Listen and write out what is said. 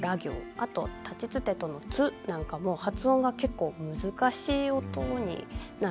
あと「たちつてと」の「つ」なんかも発音が結構難しい音になるんです。